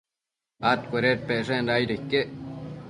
adcuennepecshenda aido iquec